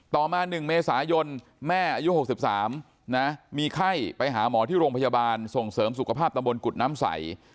ต่อมา๑เมษายนแม่อายุ๖๓นะมีไข้ไปหาหมอที่โรงพยาบาลส่งเสริมสุขภาพตำบลกุฎน้ำใส